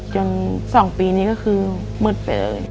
๒ปีนี้ก็คือมืดไปเลย